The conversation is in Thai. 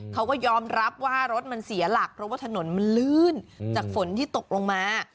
เขาก็ยอมรับว่ารถมันเสียหลักเพราะว่าถนนมันลื่นจากฝนที่ตกลงมา